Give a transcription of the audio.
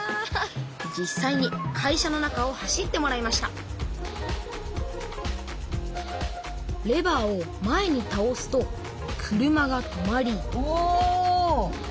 実さいに会社の中を走ってもらいましたレバーを前にたおすと車が止まりおお！